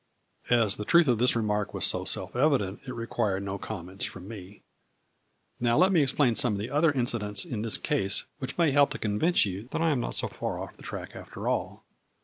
As the truth of this remark was so self evident it required no comments from me. 70 A FLURRY IN DIAMONDS. " Now let me explain some other incidents in this case which may help to convince you that I am not so far off the track after all.